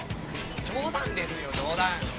冗談ですよ冗談。